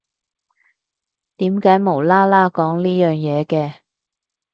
點解無啦啦講呢樣嘢嘅？